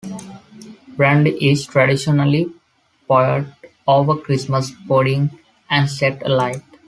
Brandy is traditionally poured over Christmas pudding and set alight.